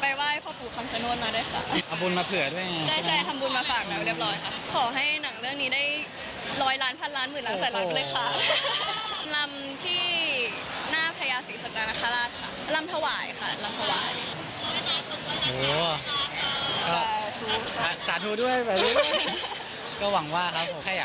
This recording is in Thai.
ไปไหว้พ่อปู่คำชโนธมาได้ค่ะเอาบุญมาเผื่อด้วยใช่ไหมใช่ใช่